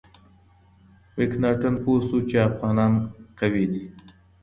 مکناتن پوه شو چې افغانان قوي دي.